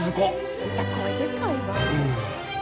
あんた声でかいわ。